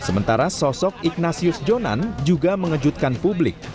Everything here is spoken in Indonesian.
sementara sosok ignasius jonan juga mengejutkan publik